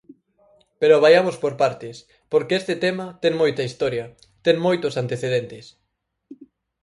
Pero vaiamos por partes porque este tema ten moita historia, ten moitos antecedentes.